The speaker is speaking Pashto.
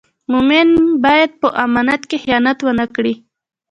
مومن باید په امانت کې خیانت و نه کړي.